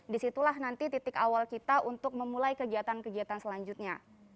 disitulah nanti titik awal kita untuk memulai kegiatan kegiatan selanjutnya